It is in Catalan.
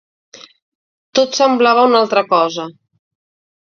Tot semblava una altra cosa.